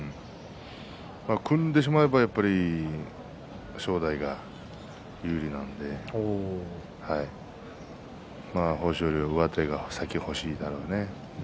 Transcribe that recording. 組んでしまえば正代が有利なので豊昇龍は上手が先に欲しいだろうね。